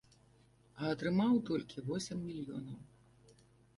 А атрымаў толькі восем мільёнаў.